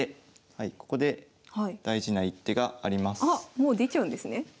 もう出ちゃうんですね。